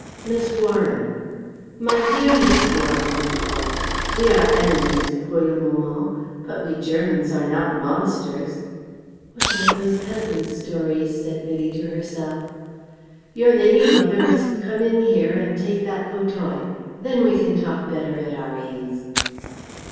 "Miss Warren " "My dear Miss Warren, of course. We are enemies pour le moment but we Germans are not monsters. ("What about those peasants' stories?" said Vivie to herself.) Your lady mother must come in here and take that fauteuil. Then we can talk better at our ease."